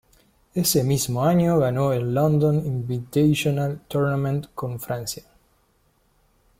Ese mismo año ganó el London Invitational Tournament con Francia.